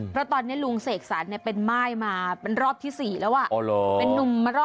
เพราะตอนนี้ลุงเสกสันเป็นม่ายมารไทยรอบที่๔เราอ่ะ